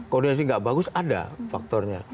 koordinasi nggak bagus ada faktornya